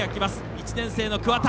１年生の桑田。